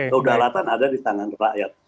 kedalatan ada di tangan rakyat